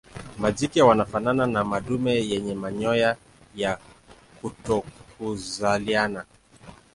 Majike wanafanana na madume yenye manyoya ya kutokuzaliana.